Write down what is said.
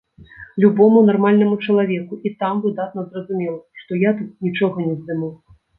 Любому нармальнаму чалавеку і там выдатна зразумела, што я тут нічога не здыму!